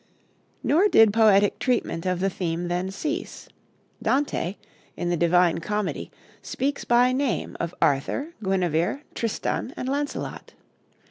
Nor did poetic treatment of the theme then cease. Dante, in the 'Divine Comedy,' speaks by name of Arthur, Guinevere, Tristan, and Launcelot.